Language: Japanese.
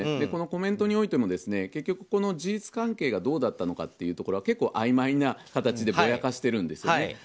このコメントにおいても結局その事実関係がどうだったのかというのは結構あいまいな形でぼやかしているんですよね。